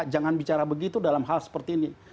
jangan bicara begitu dalam hal seperti ini